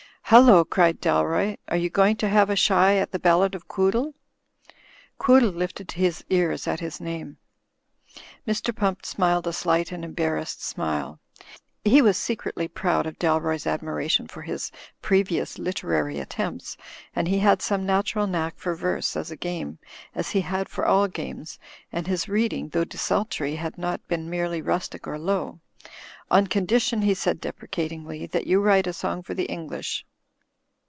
"Hullo," cried Dalroy. "Are you going to have a shy at the Ballad of Quoodle?" Quoodle lifted his ears at his name. Mr. Pump smiled a slight and embarrassed smile. He was secret ly proud of Dalroy's admiration for his previous literary attempts and he had some natural knack for verse as a game, as he had for all games ; and his read ing, though desultory, had not been merely rustic or low. "On condition," he said, deprecatingly, "that you write a song for the English."